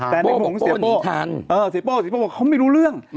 แต่ในมุมเสียโป้เสียโป้บอกว่าเขาไม่รู้เรื่อง